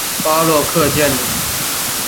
巴洛克建筑。